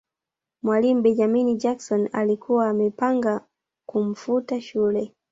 mwalimu benjamin jackson alikuwa amepanga kumfuta shule